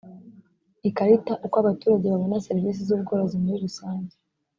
ikarita uko abaturage babona serivisi z ubworozi muri rusange